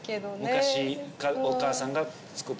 昔お母さんが作ってくれた